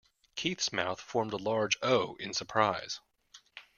Keith's mouth formed a large O in surprise.